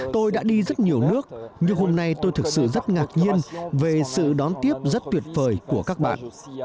tôi đã đi rất nhiều nước nhưng hôm nay tôi thực sự rất ngạc nhiên về sự đón tiếp rất tuyệt vời của các bạn